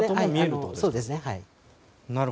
そうですね。